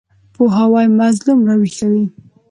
پوهاوی مظلوم راویښوي.